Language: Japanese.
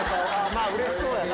まぁうれしそうやな。